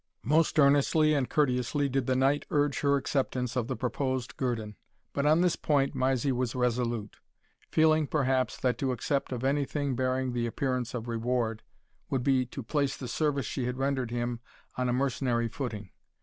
Most earnestly and courteously did the Knight urge her acceptance of the proposed guerdon, but on this point Mysie was resolute; feeling, perhaps, that to accept of any thing bearing the appearance of reward, would be to place the service she had rendered him on a mercenary footing.